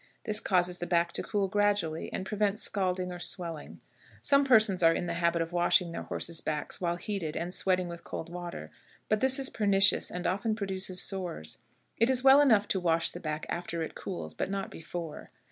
This causes the back to cool gradually, and prevents scalding or swelling. Some persons are in the habit of washing their horses' backs while heated and sweating with cold water, but this is pernicious, and often produces sores. It is well enough to wash the back after it cools, but not before.